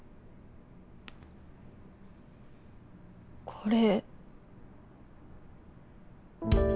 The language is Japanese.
これ。